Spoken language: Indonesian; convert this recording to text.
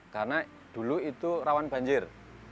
karena dulu itu rawan banjir